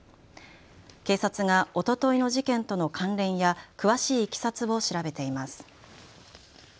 警察がおとといの事件との関連や詳しいいきさつを調べています。